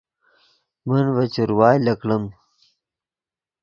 من ڤے چروائے لکڑیم